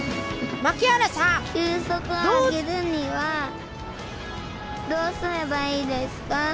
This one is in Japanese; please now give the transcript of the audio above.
球速を上げるにはどうすればいいですか？